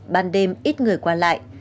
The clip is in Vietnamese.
ban đêm ít người qua lại